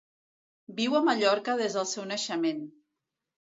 Viu a Mallorca des del seu naixement.